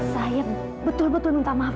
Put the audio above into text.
saya betul betul minta maaf